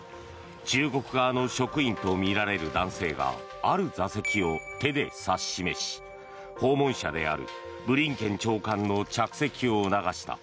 中国側の職員とみられる男性がある座席を手で指し示し訪問者であるブリンケン長官の着席を促した。